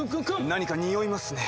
何かにおいますね。